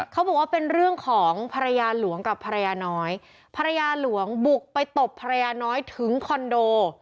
เขาบอกว่าเป็นเรื่องของภรรยาหลวงกับภรรยาน้อยภรรยาหลวงบุกไปตบภรรยาน้อยถึงคอนโด